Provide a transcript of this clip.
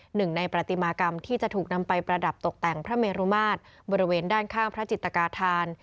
หนึ่งในปฏิมากรรมที่จะถูกนำไปประดับตกแต่งพระเมรุมาตรบริเวณด้านข้างพระจิตกาธาน